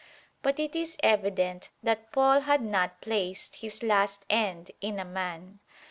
But it is evident that Paul had not placed his last end in a man.